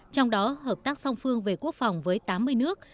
trong đó hợp tác song phương về quốc phòng với tám mươi nước